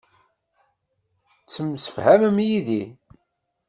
Ttemsefhamen yid-i.